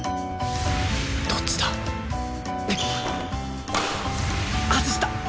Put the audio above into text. どっちだ？